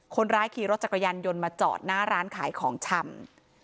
คนร้ายขี่รถจักรยานยนต์มาจอดหน้าร้านขายของชำ